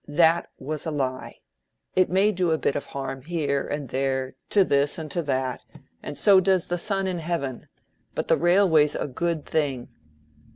That was a lie. It may do a bit of harm here and there, to this and to that; and so does the sun in heaven. But the railway's a good thing."